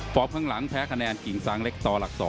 ฟอร์มข้างหลังแพ้คะแนนกิงสังเล็กตอร์หลัก๒